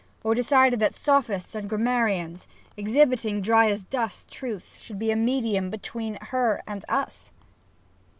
or decided that Sophists and Grammarians, exhibiting dry as dust truths, should be a medium between her and us